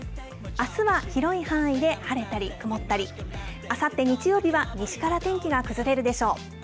あすは広い範囲で晴れたり曇ったり、あさって日曜日は、西から天気が崩れるでしょう。